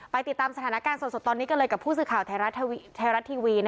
ติดตามสถานการณ์สดตอนนี้กันเลยกับผู้สื่อข่าวไทยรัฐทีวี